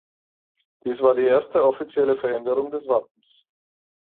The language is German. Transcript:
Dies war die erste offizielle Veränderung des Wappens.